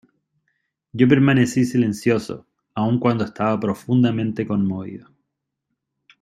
yo permanecí silencioso, aun cuando estaba profundamente conmovido.